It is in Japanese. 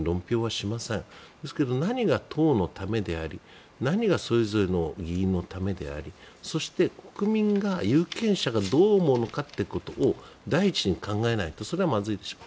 しかし何が党のためでありそれぞれの議員のためであり国民、有権者がどう思うのかを第一に考えないとそれはまずいでしょう。